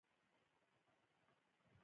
آیا د اتلانو نومونه هم نه ایښودل کیږي؟